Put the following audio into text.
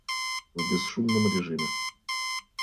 В бесшумном режиме